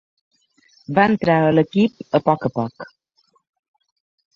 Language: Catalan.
Va entrar a l'equip a poc a poc.